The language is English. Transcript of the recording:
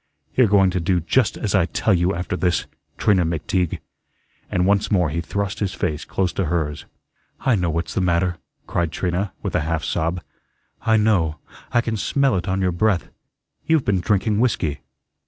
You're going to do just as I tell you after this, Trina McTeague," and once more he thrust his face close to hers. "I know what's the matter," cried Trina, with a half sob; "I know, I can smell it on your breath. You've been drinking whiskey."